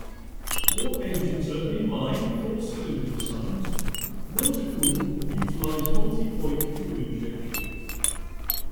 All engines are inline-four cylinder designs, water-cooled and utilise multi-point fuel injection.